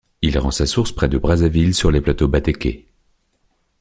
Il rend sa source près de Brazzaville sur les plateaux Batéké.